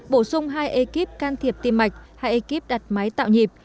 bổ sung hai ekip can thiệp tim mạch hai ekip đặt máy tạo nhịp